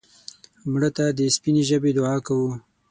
مړه ته د سپینې ژبې دعا کوو